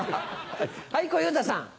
はい小遊三さん。